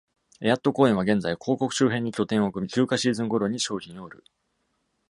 エアット公園は現在、広告周辺に拠点を置く休暇シーズンごろに商品を売る。